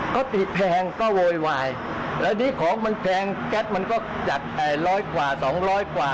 ก็แพงก็โวยวายแล้วดีของมันแพงแก๊สมันก็จากเอ่ยร้อยกว่าสองร้อยกว่า